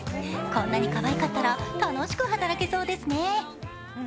こんなにかわいかったら楽しく働けそうですね。